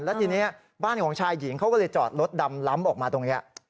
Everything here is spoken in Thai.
แล้วทีนี้บ้านของชายหญิงเขาก็เลยจอดรถดำล้ำออกมาตรงนี้